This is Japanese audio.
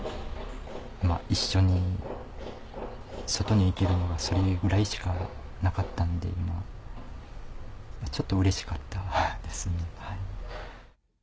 一緒に外に行けるのがそれぐらいしかなかったんでちょっとうれしかったですね。